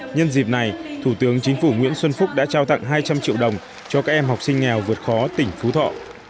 nhân dịp này thủ tướng chính phủ nguyễn xuân phúc đã trao tặng hai trăm linh triệu đồng cho các em học sinh nghèo vượt khó tỉnh phú thọ